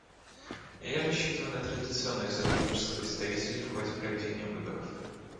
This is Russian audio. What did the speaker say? Я рассчитываю на традиционное сотрудничество представителей в ходе проведения выборов.